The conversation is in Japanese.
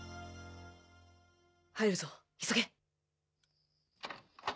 入るぞ急げ！